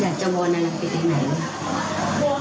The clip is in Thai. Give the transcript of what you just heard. อยากจะวนอันตรีไหน